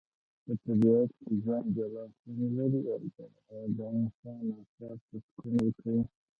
په طبیعت کي ژوند جلا خوندلري.او د انسان اعصاب ته سکون ورکوي